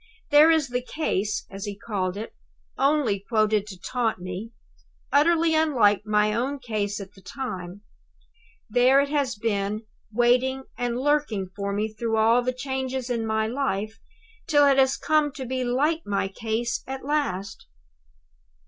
There is the Case, as he called it only quoted to taunt me; utterly unlike my own case at the time there it has been, waiting and lurking for me through all the changes in my life, till it has come to be like my case at last.